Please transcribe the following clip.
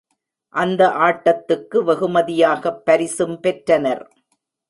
அந்த ஆட்டத்துக்கு வெகுமதியாகப் பரிசும் பெற்றனர்.